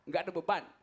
gak ada beban